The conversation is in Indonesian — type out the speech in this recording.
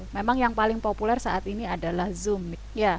memang yang paling populer saat ini adalah zoom fatigue